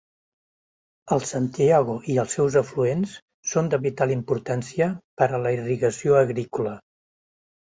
El Santiago i els seus afluents són de vital importància per a la irrigació agrícola.